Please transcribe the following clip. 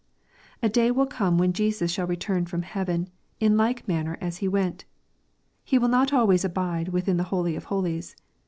A day will come when Jesus shall return from heaven, in like manner as Jle went. He will not always abide within the holy of holies.